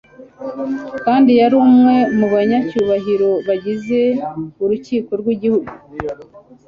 kandi yari umwe mu banyacyubahiro bagize urukiko rw’igihugu